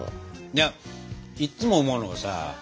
いやいっつも思うのがさ